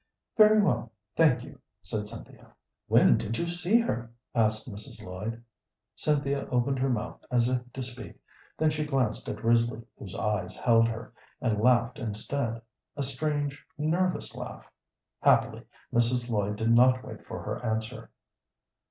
"Very well, thank you," said Cynthia. "When did you see her?" asked Mrs. Lloyd. Cynthia opened her mouth as if to speak, then she glanced at Risley, whose eyes held her, and laughed instead a strange, nervous laugh. Happily, Mrs. Lloyd did not wait for her answer.